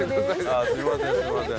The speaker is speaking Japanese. ああすいませんすいません。